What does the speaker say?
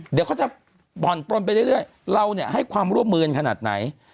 เดี๋ยวเขาจะบ่อนปลนไปเรื่อยเราเนี่ยให้ความร่วมมือขนาดไหน